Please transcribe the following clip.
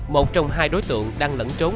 một trong hai đối tượng đang lẫn trốn